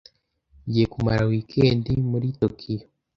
Ngiye kumara weekend muri Tokiyo.